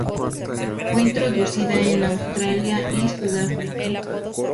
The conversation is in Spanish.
Fue introducida en Australia y Sudáfrica.